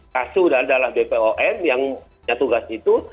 kasus adalah bepom yang punya tugas itu